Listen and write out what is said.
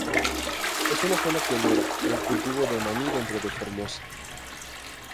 Es una zona pionera en el cultivo de maní dentro de Formosa.